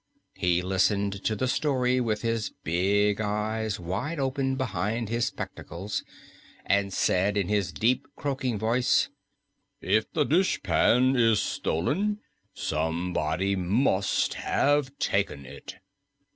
He listened to the story with his big eyes wide open behind his spectacles, and said in his deep, croaking voice, "If the dishpan is stolen, somebody must have taken it."